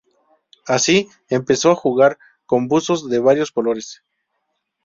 Así, empezó a jugar con buzos de varios colores.